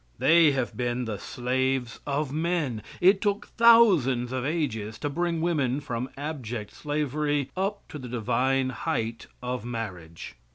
They have been the slaves of men. It took thousands of ages to bring women from abject slavery up to the divine height of marriage.